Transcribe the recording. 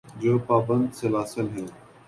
جو پابند سلاسل ہیں۔